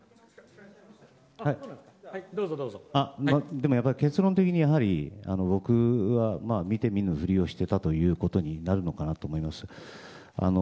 でも、結論的に僕は見て見ぬふりをしていたということになるのかなと思います。